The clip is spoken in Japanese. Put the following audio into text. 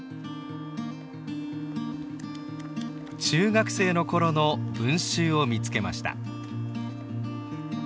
中学生の頃の文集を見つけました。